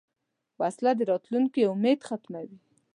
وسله د راتلونکې امید ختموي